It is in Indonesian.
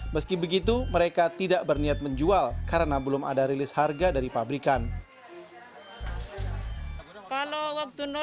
meski begitu mereka tidak berniat menjual karena belum ada rilis harga dari pabrikan